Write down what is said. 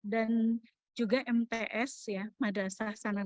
dan juga mts